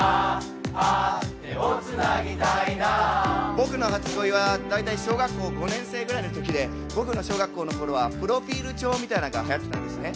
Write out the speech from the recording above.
僕の初恋は大体小学校５年生ぐらいのときで僕の小学校のころはプロフィール帳みたいなのがはやってたんですね。